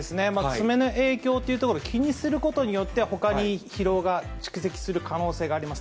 爪の影響というところ、気にすることによって、ほかに疲労が蓄積する可能性があります。